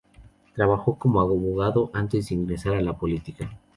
Trabajó como abogado antes de ingresar a la política.